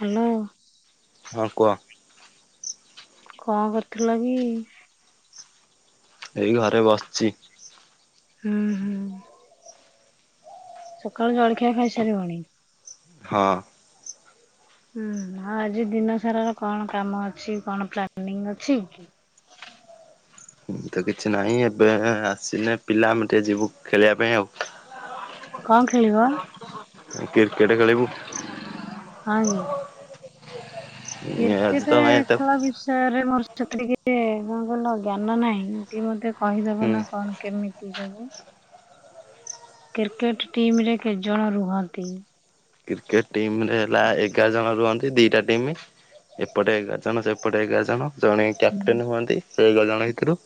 Hello. ହଁ କୁହ। କଣ କରୁଥୁଲ କି? ଏଇ ଘରେ ବସିଚି। ହୁଁ ହୁଁ ସକାଳୁ ଜଳଖିଆ ଖାଇସାରିବଣି? ହଁ। ହୁଁ ଆଉ ଆଜି ଦିନ ସାରର କଣ କାମ ଅଛି କଣ ପ୍ଲାନିଂ ଅଛି କି? ତ କିଛି ନାହିଁ ଏବେ ଆସିନେ ପିଲା ଆମେ ଟିକେ ଯିବୁ ଖେଳିବା ପାଇଁ ଆଉ। କଣ ଖେଳିବ? କିର୍କେଟ ଖେଳିବୁ। ହଁ କି? ଆଜି ତ କିର୍କେଟେ କାଇଁ ଏତେ ଖେଳ ବିଷୟରେ ମୋର ସେତେ ଟିକେ [unintelligible] ଜ୍ଞାନ ନାହିଁ ଟିକେ ମତେ କହିଦବ ହୁଁ ନା କଣ କେମିତି ସବୁ। କିର୍କେଟ ଟିମରେ କେତ ଜଣ ରୁହନ୍ତି? କିର୍କେଟ ଟିମରେ ହେଲା ଏଗାର ଜଣ ରୁହନ୍ତି। ଇ ଦିଟାଟିମ ଏପଟେ ଏଗାର ଜଣ ସେପଟେ ଏଗାର ଜଣ ଜଣେ କ୍ୟାପଟେନ ହୁଅନ୍ତି। ସେ ଏଗାରଜଣ ଭିତୁରୁ।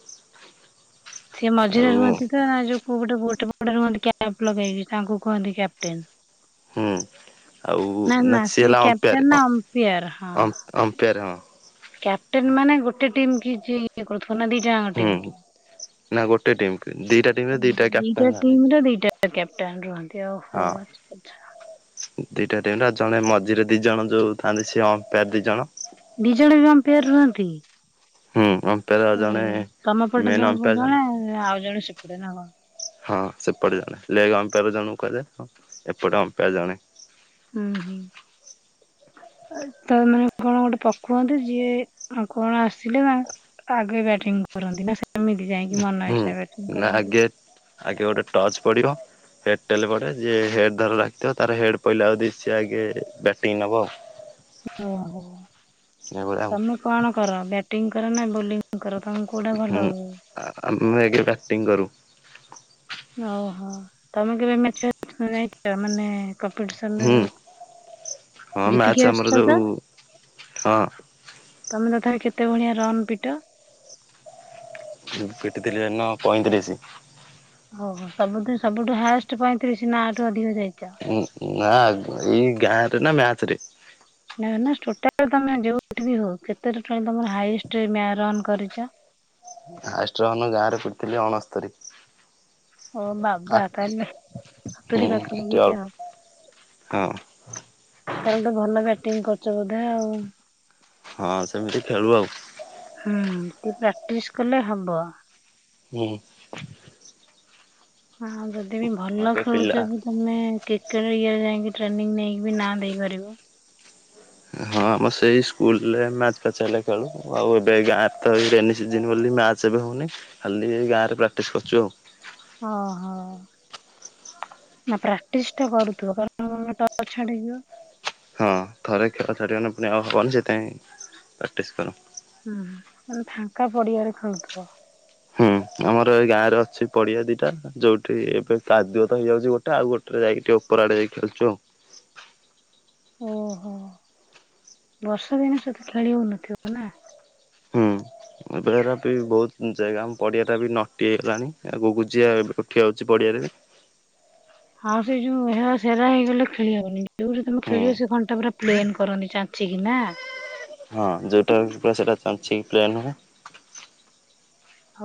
ସିଏ ମଝିରେ ରୁହନ୍ତି ଯା ଯୋଉ କୋଉ ପଟେ ଗୋଟେ ପଟେ ରୁହନ୍ତି କ୍ୟାପ ଲଗେଇକି ତାଙ୍କୁ କୁହନ୍ତି କ୍ୟାପଟେନ୍। ହୁଁ ଆଉ ନା ନା ସିଏ ସେ ହେଲା ଅମ୍ପାୟାର କେ୍ୟାପଟେନ୍ ନା ଅମ୍ପିୟାର ହଁ। ଅମ୍ପାୟାର ହଁ କ୍ୟାପଟେନ୍ ମାନେ ଗୋଟେ ଟିମକି ଯିଏ ଇଏ କରୁଥୁବ ନା ଦିଟା ଆଁକ ଟିମ୍ ହୁଁ କି? ନା ଗୋଟେ ଟିମକି ଦିଟା ଟିମରେ ଦିଟା କ୍ୟାପଟେନ୍ ଥାଆନ୍ତି। କ୍ୟାପଟେନ୍ ରୁହନ୍ତି ଓହୋ ଆଛା ଆଛା। ଦିଟା ଟିମର ଜଣେ ମଝିରେ ଦିଜଣ ଯୋଉ ଥାନ୍ତି ସିଏ ଅମ୍ପେୟାର ଦି ଜଣ। ଦିଜଣ ବି ଅମ୍ପେୟାର ରୁହନ୍ତି? ହୁଁ ଅମ୍ପେୟାର ଜଣେ ମେନ୍ ଅମ୍ପେୟାର ଜଣେ। ଏ ଆଉ ଜଣେ ସେପଟେ ହେନେ ହବ। ହଁ ସେପଟେ ଜଣେ ଲେଗ ଆମ୍ପେୟାର ଜଣକୁ କୁହାଯାଏ ହଁ ଏପଟେ ଅମ୍ପେୟାର ଜଣେ। ଉଁହୁଁ। ଆ ତ ମାନେ କଣ ଗୋଟେ ପକୁହନ୍ତ ଯିଏ ଆଉ କଣ ଆସିଲେ ନା? ଆଗେ ବ୍ୟାଟିଂ କରନ୍ତି ନା ସେମିତି ଯାଇଁକି ହୁଁ ମନଇଚ୍ଛା ବ୍ୟା ନା ଆଗେ ଆଗେ ଗୋଟେ ଟର୍ଚ ପଡିବ। ହେଡ ଟେଲ ପଡେ ଯିଏ ହେଡ ଧର ବାଛଥିବ ତାର ହେଡ ପଇଲେ ଯଦି ସିଏ ଆଗେ ବ୍ୟାଟିଂ ନବ ଆଉ ଓହୋ ଏଭଳିଆ ଆଉ ତମେ କଣ କର ବ୍ୟାଟିଂ କର ନା ବୋଲିଂ କର ତମ କୋଉଟା ହୁଁ ଭଲ ହୁଏ? ଆମେ ଆଗେ କାଟିଂ କରୁ। ଓହୋ ତମେ କେବେ [unintelligible] ମାନେ [unintelligible] ମାନେ କମ୍ପିଡିଶନ ରେ ହୁଁ ଯୋଉ ହଁ ଜିତିକି ମ୍ୟାଚ ଆମର ଆସିଛ ତ ଯୋଉ ହଁ। ତମେ ତଥାପି କେତେ ଭଳିଆ ରନ୍ ପିଟ? ମୁଁ ପିଟିଥିଲି ସେଦିନ ପଇଁତିରିଶି। ଓହୋ ସବୁଦିନ ସବୁଠୁ ହାଷ୍ଟ ପଇଁତିରିଶ ନା ଆଠୁ ଅଧିକ ଯାଇଚ? ଉଁ ନା ଏଇ ଗାଁ ରେ ନା ମ୍ୟାଚ ରେ? ନା ନା ଟୋଟାଲ ତମେ ଯୋଉଠି ବି ହଉ କେତେ ଟୋଟାଲି ତମର ହାଇଷ୍ଟ ମ୍ୟ ରନ୍ କରିଚ? ହାଏଷ୍ଟ ଗାଁ ରେ ପଟିଥିଲି ଅଣସ୍ତରୀ। ଓ ଆ ବାବା ତାହେଲେ ହୁଁ ସତୁରୀ ପାଖ ପାଖି ଟ୍ୱେଲ୍ଭ। ଆଉ। ହଁ ତାହେଲେ ତ ଭଲ ବ୍ୟାଟିଂ କରୁଚ ବୋଧେ ଆଉ। ହଁ ସେମିତି ଖେଳୁ ଆଉ। ହୁଁ ଟିକେ ପ୍ରାକ୍ଟିସ କଲେ ହବ। ହୁଁ। ଆଉ ଯଦି ବି ହଁ ଭଲ ଏବେ ପିଲା ଖେଳୁଚ ତମେ କ୍ରିକେଟ ଇଏରେ ଯାଇକି ଟ୍ରେନିଂ ନେଇକି ବି ନାଁ ଦେଇପାରିବ। ହଁ ଆମ ସେଇ ସ୍କୁଲରେ ମ୍ୟାଚ ଫ୍ୟାଚ ଚାଲେ ଖେଳୁ ଆଉ ଏବେ ଗାଁରେ ତ ଏଇ ରେନି ସିଜିନ ବୋଲି ମ୍ୟାଚ ସେ ବି ହେଉନି ଖାଲି ଏଇ ଗାଁରେ ପ୍ରାକ୍ଟିସ୍ କରୁଚୁ ଆଉ ଓହୋ। ନା ପ୍ରାକ୍ଟିସ ଟା କରୁଥିବ କାରଣ ନହେନେ ଟଚ ଛାଡିଯିବ। ହଁ ଥରେ ଖେଳ ଛାଡିଗନେ ପୁଣି ଆଉ ହବନି ସେଥିପାଇଁ ପ୍ରାକ୍ଟିସ କର। ହୁଁ ମାନେ ଫାଙ୍କା ପଡିଆରେ ଖେଳୁଥିବ? ହୁଁ ଆମର ଏଇ ଗାଁ ରେ ଅଛି ପଡିଆ ଦିଟା ଯୋଉଠି ଏବେ କାଦୁଅ ତ ହେଇଯାଉଚି ଗୋଟେ ଆଉ ଗୋଟେରେ ଯାଇକି ଟେ ଉପର ଆଡେ ଯାଇି ଖଳୁଚୁ ଆଉ ଓହୋ ବର୍ଷା ଦିନେ ସେଠି ଖେଳି ହଉନଥିବ। ନା। ହୁଁ। ଏବେ ଏରା ବି ବହୁତ ଜାଗା ଆମ ପଡିଆ ଟା ବି ନଟି ହେଇଗଲାଣି ଆ ଗୁଗୁଚିଆ ଏବେ ଉଠିଯାଉଚି ପଡିଆରେ। ଆଉ ସେଇ ଯୋଉ ହେରା ସେରା ହେଇଗଲେ ଖେଳି ହବନି ଯୋଉଠି ତମେ ହୁଁ ଖେଳିବ ସେ ଖଣ୍ଡ ଟା ପୁରା ପ୍ଲେନ୍ କରନ୍ତି ଛାଞ୍ଚିକି ନା? ହଁ ଯୋଉଟା ପୁରା ସେଟା ଚାଞ୍ଚିକି ପ୍ଲେନ ହୁଏ।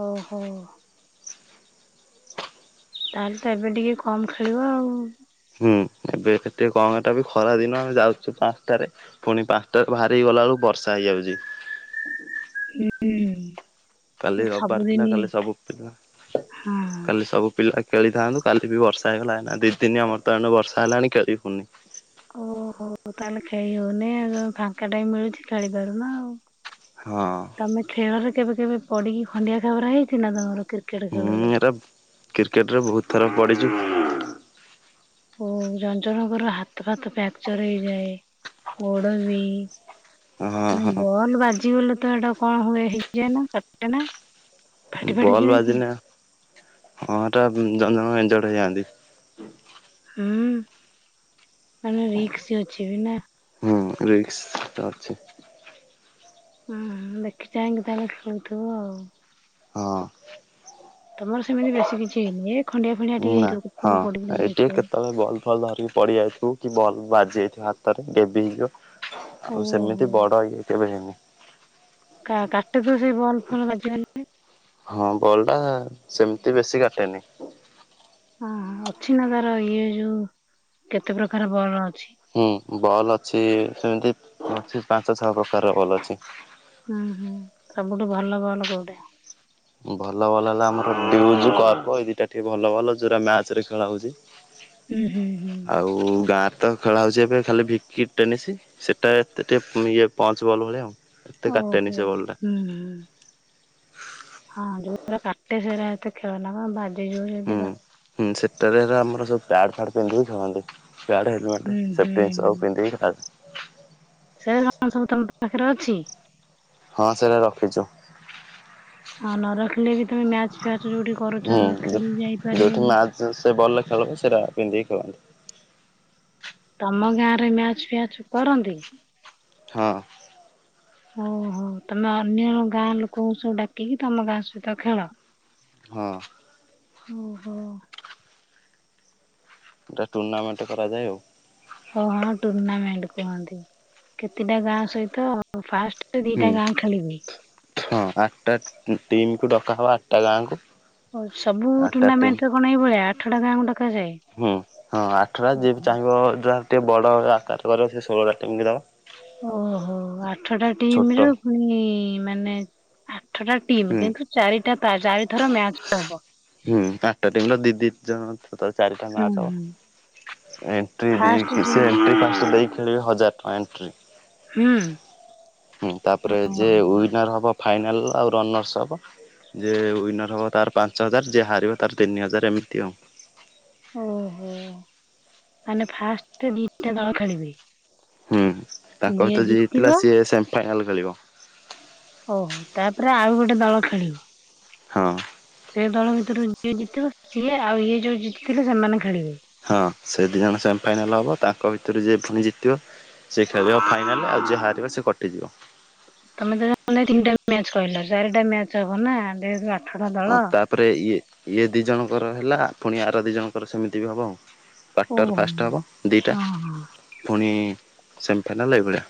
ଓ ହୋ। ତାହେଲେ ତ ଏବେ ଟିକେ କମ ଖେଳିବ ଆଉ। ହୁଁ ଏବେ [unintelligible] ଖରା ଦିନ ଆମେ ଯାଉଛୁ ପାଞ୍ଚଟାରେ। ପୁଣି ପାଞ୍ଚଟାରୁ ବାହାରିକି ଗଲାବେଳୁକୁ ବର୍ଷା ହେଇଯାଉଚି। ହୁଁ। କାଲି ରବିବାର ଥିଲା ସବୁଦିନି କାଲି ସବୁ ପିଲା ହଁ। କାଲି ସବୁ ପିଲା ଖେଳିଥାନ୍ତୁ କାଲି ବି ବର୍ଷା ହେଇଗଲା ଏନା ଦି ଦିନ ଆମର ତ ଆଣୁ ବର୍ଷା ହେଲାଣି ଖେଳିିବୁନି। ଓହୋ ତାହେଲେ ଖେଳି ହଉନି ଆଉ ଯୋଉ ଫାଙ୍କା ଟାଇମ ମିଳୁଛି ଖେଳିପାରୁନ ଆଉ। ହଁ। ତମେ ଖେଳରେ କେବେ କେବେ ପଡିକି ଖଣ୍ଡିଆ ଖାବରା ହେଇଚି ନା ତମର? କ୍ରିକେଟ ହଁ ଖେଳରେ? ଏରା କ୍ରିକେଟ ରେ ବହୁତ ଥର ପଡିଚୁ। ଓ ଜଣ ଜଣଙ୍କର ହାତ ଫାତ ଫାକ୍ଚର ହେଇଯାଏ ଗୋଡ ବି। ହଁ ମାନେ ହଁ ବଲ ବାଜିଗଲେ ତ ଏଟା କଣ ହୁଏ ହେଇଯାଏ ନା କାଟେ ନା? ଫାଟି ଫାଟି ବଲ୍ ଯାଏ କି? ବାଜିଲେ ହଁ ହେଟା ଜଣେ ଜଣେ ଇଞ୍ଜୋଡ଼ ହେଇଯାଆନ୍ତି। ହୁଁ ମାନେ ରିକ୍ସ ଅଛି ବି ନା? ହୁଁ ରିକ୍ସ ଅଛି। ହୁଁ ଦେଖି ଚାହିଁକି ତାେଲେ ଖଳଥିବୁ ଆଉ। ହଁ। ତମର ସେମତି ବେଶୀ କିଛି ହେଇନି ଏ ଖଣ୍ଡିଆ ଫଣ୍ଡିଆ ଟିକେ ହେଇ [inaudible] ପଡି ପୁଡା ଯାଇଥିବ। ବଲ ଧରିକି ପଡି ଯାଇଥିବ କି ବଲ ବାଜି ଯାଇଥିବ ହାତରେ ଗେବି ହେଇଯିବ। ଆଉ ଓହୋ ସେମିତି ବଡ ଇଏ କେବେ ହେଇନି। କା-କାଟୁ ଥିବ ସେଇ ବଲ୍ ଫଲ୍ ବାଜିଗନେ। ହଁ ବଲ୍ ଟା ସେମିତି ବେଶୀ କାଟେନି। ହଁ ହଁ ଅଛି ନା ତାର ଇଏ ଯୋଉ କେତେ ପ୍ରକାର ବଲ୍ ଅଛି। ହୁଁ ବଲ୍ ଅଛି ସେମିତି ଅଛି ପାଞ୍ଚ ଛଅ ପ୍ରକାରର ବଲ୍ ଅଛି। ଉଁ ହୁଁ ସବୁଠୁ ଭଲ ବଲ୍ କୋଉଟା? ଭଲ ବଲ୍ ହେଲା ଆମର ଡିଉଜ କର୍ବ ଏଇ ଦିଟା ଟିକିେ ଭଲ ବଲ୍ ଯୋଉଟା ମ୍ୟାଚରେ ଖେଳା ହୋଉଚି। ଉଁ ହୁଁ ହୁଁ। ଆଉ ଗାଁରେ ତ ଖେଳା ହୋଉଚି ଏବେ ଖାଲି ଭିକି ଟେନିସ୍। ସେଟା ଏତେ ଟିକେ ଇଏ ପଞ୍ଚ ବଲ୍ ଭଳିଆ ଆଉ। ଏତେ ଓହୋ କାଟେନି ସେ ହୁଁ ବଲ୍ ଟା ହୁଁ। ହଁ ଯୋଉାରା କାଟେ ସେଟା ଏତେ ଖେଳନା ମ ବାଜି ଜିବ ଯଦି ହୁଁ। ବା ହୁଁ ସେତେବେଳେ ହେରା ଆମର ସବୁ ପ୍ୟାଡ ଫ୍ୟାଡ ପିନ୍ଧିକି ଖେଳନ୍ତି। ପ୍ୟାଡ ହେ ଲମେଟ୍ ହୁଁ ସେଫଟି ଜିନିଷ ହୁଁ। ସବୁ ପିନ୍ଧିକି [unintelligible] ସେଇରା କଣ ସବୁ ତମ ପାଖରେ ଅଛି? ହଁ ସେଇରା ରଖିଛୁ। ହଁ ନରଖିଲେ ବି ତମେ ମ୍ୟାଚ ଫ୍ୟାଚ ଯୋଉଠି ହୁଁ କରୁଚ ଯୋ ଖେଳି ଯୋଉଠି ଯାଇପାରିବନି। ମ୍ୟାଚ୍ ସେ ବଲ୍ ରେ ଖେଳିଲେ ସେରା ପିନ୍ଧିକି ଖେଳନ୍ତି। ତମ ଗାଁ ରେ ମ୍ୟାଚ ଫିୟାଚ କରନ୍ତି? ହଁ। ଓ ହୋ ତମେ ଅନ୍ୟ ଗାଁ ଲୋକଙ୍କୁ ସବୁ ଡାକିକି ତମ ଗାଁ ସହିତ ଖେଳ। ହଁ। ଓହୋ। ଏଟା ଟୁର୍ଣ୍ଣାମେଣ୍ଟ କରାଯାଏ ଆଉ। ହଁ ହଁ ଟୁର୍ଣ୍ଣାମେଣ୍ଟ କୁହନ୍ତି। କେତେଟା ଗାଁ ସହିତ ଫା ହୁଁ ଦିଇଟା ଗାଁ ଖେଳିବେ। ହଁ ଆଠଟା ଟିମ୍ କୁ ଡକା ହବ। ଆଠଟା ଗାଁ କୁ। ହୋଉ ସବୁ ଟୁର୍ଣ୍ଣାମେଣ୍ଟରେ କଣ ଏଇ ଭଳିଆ ଆଠଟା ଗାଁ କୁ ଡକାଯାଏ। ହୁଁ ହଁ ଆଠଟା ଯିଏ ବି ଚାହିଁବ ଯହାର ଟିକେ ବଡ ଆକାର କରିବ ସେ ଷୋହଳ ଟା ଟିମ୍ କୁ ଦବ। ଓହୋ ଆଠଟା ଟିମ୍ ଛୋଟ ରୁ ଫୁଣି ମାନେ ଆଠଟା ଟିମ୍ ହୁଁ। କିନ୍ତୁ ଚାରିଟା ଚା-ଚାରି ଥର ମ୍ୟାଚ ହବ। ହୁଁ ଆଠଟା ଟିମ୍ ର ଦି ଦି ଜଣ [unintelligible] ଚାରିଟା ହୁଁ ମ୍ୟାଚ ହୁଁ। ହବ। ଏଣ୍ଟ୍ରି ଫାଷ୍ଟ ଦେଇକି ଯୋଉ ସେ ଏଣ୍ଟ୍ରି ପାଞ୍ଚଟା ଦେଇକି ଖେଳିବେ ହଜାର ପଏଂଟ୍ରି ହୁଁ। ହୁଁ ତାପରେ ଯେ ଓହୋ। ୱିନର ହବ ଫାଇନାଲ ଆଉ ରନର୍ସ ହବ। ଯେ ୱିନର ହବ ତାର ପାଞ୍ଚ ହଜାର। ଯେ ହାରିବ ତାର ତିନି ହଜାର ଏମିତି ଆଉ। ଓହୋ‌ ମାନେ ଫାଷ୍ଟ ଦିଟା ଦଳ ଖେଳିବେ। ହୁଁ ତାଙ୍କ ଭିତରେ ଯିଏ ଜିତିଲା। ସିଏ ସେମି ଫାଇନାଲ୍ ଖେଳିବ। ଓହୋ ତାପରେ ଆଉ ଗୋଟେ ଦଳ ଖେଳିବ। ହଁ। ସେ ଦଳ ଭିତରୁ ଯିଏ ଜିତିବ। ସିଏ ଆଉ ଇଏ ଯୋଉ ଜିତିଥିଲେ ସେମାନେ ଖେଳିବେ। ହଁ ସେ ଦୁଇ ଜଣ ସେମିଫାଇନାଲ୍ ହବ ତାଙ୍କ ଭିତରୁ ଯିଏ ଫୁଣି ଜିତିବ ସିଏ ଖେଳିବ ଫାଇନାଲ ଆଉ ଯିଏ ହାରିବ ସେ କଟିଯିବ। ତମେ ତ ସମୁଦାଯ ତିନିଟା ମ୍ୟାଚ କହିଲ। ଚାରିଟା ମ୍ୟାଚ ହବ ନା। ଆଠଟା ଦଳ। ହଁ ତାପରେ ଇଏ ଇଏ ଦି ଜଣଙ୍କର ହେଲା। ଫୁଣି ଆର ଦି ଜଣଙ୍କର ସେମିତି ବି ହବ ଆଉ। କ୍ୱାର୍ଟର ଓହୋ। ଫାଷ୍ଟ ହେବ ଦିଇଟା। ହଁ ହଁ। ଫୁଣି ସେମିଫାଇନାଲ୍ ଏଇଭଳିଆ।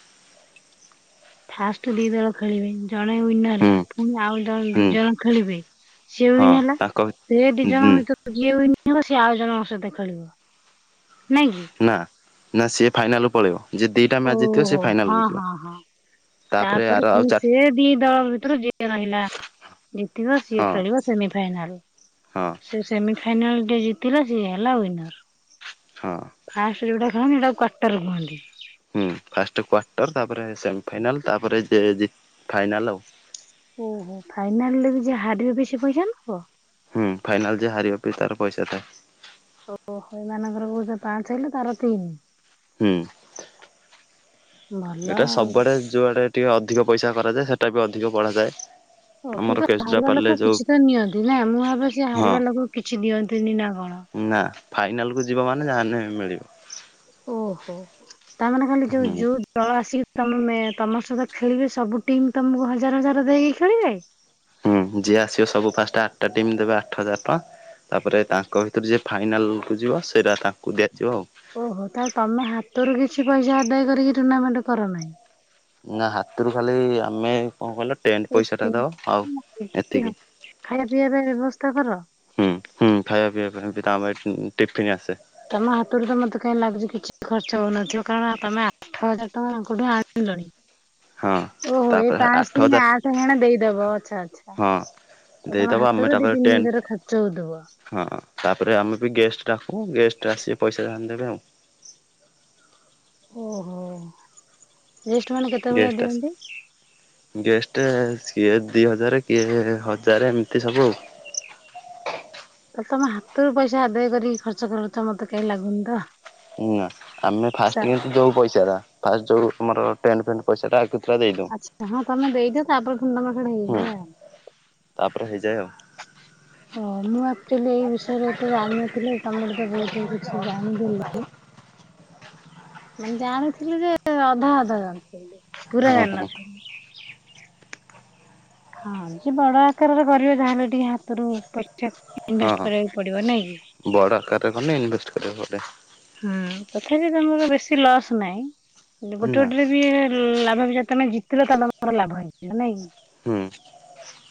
ଫାଷ୍ଟ ଦି ଦଳ ଖେଳିବେ, ଜଣେ ୱିନର ହେଲା, ହୁଁ ଫୁଣି ଆଉ ଦଳ ଦି ହୁଁ ଜଣ ଖେଳିବେ। ସିଏ ହଁ ୱିନ୍ ହେଲା, ତାଙ୍କ ଏ ଦି ଜଣ ହୁଁ ଭିତୁ ଯିଏ ୱିନ୍ ହେବ, ସିଏ ଆଉ ଜଣଙ୍କ ସହିତ ଖେଳିବ। ନାଇଁ କି? ନା, ନା, ସିଏ ଫାଇନାଲ୍ ପଳେଇବ। ଯେ ଦିଟା ମ୍ୟାଚ୍ ଜିତିବ ସେ ଓହୋ! ହଁ, ଫାଇନାଲକୁ ଯିବ। ହଁ, ହଁ। ତାପରେ ଆର ଆଉ ପୁଣି ଚାର ସେ ଦି ଦଳ ଭିତୁରୁ ଯିଏ ରହିଲା ଜିତିବ, ସିଏ ହଁ ଖେଳିବ ସେମି ଫାଇନାଲ୍। ହଁ ସେ ସେମି ଫାଇନାଲ୍ ଟେ ଜିତିଲା ସିଏ ହେଲା ୱିିନର୍। ହଁ। ଫାଷ୍ଟ ଯୋଉଟା ଖେଳନ୍ତି, ସେଟାକୁ କ୍ୱାଟର୍ କୁହନ୍ତି। ହୁଁ, ଫାଷ୍ଟ କ୍ଵାର୍ଟର, ତାପରେ ସେମିଫାଇନାଲ୍, ତାପରେ ଯେ ଜି- ଫାଇନାଲ ଆଉ। ଓହୋ, ଫାଇନାଲ୍ ରେ ବି ଯିଏ ହାରିବ ବି ସିଏ ପଇସା ନବ? ହୁଁ, ଫାଇନାଲ ଯିଏ ହାରିବ ବି ତାର ପଇସା ଥାଏ। ଓହୋ! ଏମାନଙ୍କର ବୋଧେ ପାଞ୍ଚ ହେଲେ ତାର ତିନି? ହୁଁ। ଭଲ ଏଇଟା ଆଉ। ସବୁଆଡେ ଯୋଉଆଡେ ଟିକେ ଅଧିକ ପଇସା କରାଯାଏ, ସେଟା ବି ଅଧିକ ବଢାଯାଏ। ଓ, ଆମର କିନ୍ତୁ ହାରିବା କେଶୁଦ୍ରାପାଲିରେ ଲୋକ ଯୋଉ କିଛି ତ ନିଅନ୍ତି ନା, ମୁଁ ଭାବେ ସେ ହଁ ହାରିବା ଲୋକ କିଛି ଦିଅନ୍ତିନି ନା କଣ? ନା ଫାଇନାଲ୍ କୁୁ ଯିବ ମାନେ ଯାହାହେନେ ମିଳିବ। ଓହୋ, ତାମାନେ ଖାଲି ଯୋଉ ହୁଁ। ଯୋଉ ଦଳ ଆସିକି ତୋମେ ତୋମ ସହିତ ଖେଳିବେ, ସବୁ ଟିମ୍ ତୋମକୁ ହଜାର ହଜାର ଦେଇକି ଖେଳିବେ? ହୁଁ ଯିଏ ଆସିବ ସବୁ ଫାଷ୍ଟ ଆଟା ଟିମ୍ ଦେବେ ଆଠ ହଜାର ଟଙ୍କା। ତାପରେ ତାଙ୍କ ଭିତରୁ ଯିଏ ଫାଇନାଲ୍ କୁ ଯିବ ସେଇଟା ତାଙ୍କୁ ଦିଆଯିବ। ଓହୋ, ତାହେଲେ ତୋମେ ହାତରୁ କିଛି ପଇସା ଆଦାୟ କରିକି ଟୁର୍ଣ୍ଣାମେଣ୍ଟ କର ନାହିଁ? ନା ହାତରୁ ଖାଲି ଆମେ କଣ କହିଲ ଟେଣ୍ଟ ପଇସା ଟା ଦଉ ଆଉ ଏତିକି। ଖାଇବା ହୁଁ, ପିଇବା ବ୍ୟବସ୍ଥା କର? ହୁଁ, ଖାଇବା ପିଇବା ପାଇଁ ବି ତାଙ୍କ ପାଇଁ ହୁଁ, ଟିଫିନ ଆସେ। ତୋମ ହାତରୁ ତ ମୋତେ କାହିଁ ଲାଗୁଚି କିଛି ଖର୍ଚ୍ଚ ହଉନଥିବ। କାରଣ ତୋମେ ଆଠ ହଜାର ଟଙ୍କା ତାଙ୍କଠୁ ଆ ଆଣଲଣି, ହଁ ଓହୋ, ଏ ତାପରେ ଆଠ ପାଞ୍ଚ ଦିନ ହଜାର ଆଠ ହେଣ ଦେଇଦବ ଓ ଆଚ୍ଛା, ଆଚ୍ଛା। ହଁ ଥ- ତୋମ ଦେଇଦବ ଆମେ ହାତରୁ ଦି ତାପରେ ତିନି ଟେଣ୍ଟ ହଜାର ଖର୍ଚ୍ଚ ହଉଥୁବ। ହଁ ତାପରେ ଆମେ ବି ଗେଷ୍ଟ ଡାକୁ। ଗେଷ୍ଟ ଆସିବେ ପଇସା ଯାହାହେନେ ଦେବେ ଆଉ। ଓହୋ! ଗେଷ୍ଟ ମାନେ କେତେ ଭଳିଆ ଦିଅନ୍ତି? ଗେଷ୍ଟେ ସିଏ ଦି ହଜାର, କିଏ ହଜାରେ ଏମିତି ସବୁ। ତ ତୋମ ହାତରୁ ପଇସା ଆଦାୟ କରିକି ଖର୍ଚ୍ଚ କର ତ ମୋତେ କାଇ ଲାଗୁନି ତ। ନା ଆମେ ଫାଷ୍ଟ କିନ୍ତୁ ଦଉ ପଇସା ଟା। ଫାଷ୍ଟ ଯୋଉ ଆମର ଟେଣ୍ଟ ଫେଣ୍ଟ ପଇସା ଆଗଥୁରା ଦେଇଦଉ। ହଁ ତୋମେ ଦେଇଦିଅ, ତାପରେ ପୁଣି ତୋମର ସେଟା ହୁଁ ହେଇଯାଏ। ଆ ତାପରେ ହେଇଯାଏ ଆଉ। ଓ ମୁଁ ଆକ୍ଚୁଲି ଏଇ ବିଷୟରେ ତ ଜାଣିନଥିଲି। ତୋମର ତ ବହୁତ ହି କିଛି ଜାଣିଦେଲି। ମାନେ ଜାଣିଥିଲି ଯେ ଅଧା ଅଧା ଜାଣିଥିଲି, ପୁରା ହଁ ଜାଣିିନଥିଲି। ହଁ ସେ ବଡ ଆକାରରେ କରିବ ଯାହାହେଲେ ଟିକେ ହାତରୁ ପଇସା [inaudible] ହଁ ଇନଭେଷ୍ଟ ହଁ କରିବାକୁ ପଡିବ ନାଇଁ କି? ବଡ ଆକାରରେ କନେ ଇନଭେଷ୍ଟ କରିବାକୁ ପଡେ। ହୁଁ, ତଥାପି ତୋମର ବେଶୀ ଲସ୍ ନାହିଁ। ଗୋଟେ ନା। ଗୋଟେରେ ବି ହୁଁ, ଲାଭ ବି ଯଦି ତୋମେ ଜିତଲ ତାହେଲେ ତୋମର ଲାଭ ହେଇଯିବ ନାଇଁକି? ହୁଁ।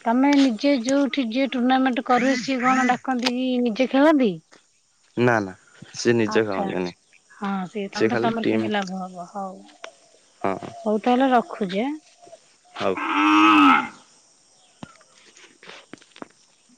ତୋମେ ନିଜେ ଯୋଉଠି ଯିଏ ଟୁର୍ଣ୍ଣାମେଣ୍ଟ କରେ କଣ ଡାକନ୍ତି କି ନିଜେ ଖେଳନ୍ତି? ନା, ନା। ସେ ନିଜେ ଆଚ୍ଛା, ଖାଆନ୍ତିନି ଆଚ୍ଛା ହଁ ସିଏ ସେ ତୋମ ତ ଖାଲି ତୋମର ଟିମ୍ କେମିତି ଲାଭ ହବ। ହଉ ହଁ ହଉ ତାହେଲେ ରଖୁଚି ଆ। ହଉ। [unintelligible]